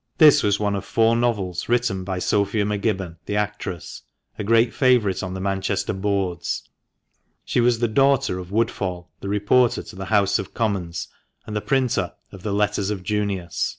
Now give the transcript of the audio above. — This was one of four novels written by Sophia M 'Gibbon, the actress, a great favourite on the Manchester boards. She was the daughter of Woodfall, the reporter to the House of Commons, and the printer of "The Letters of Junius."